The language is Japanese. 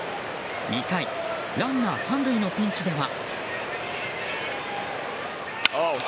２回ランナー３塁のピンチでは。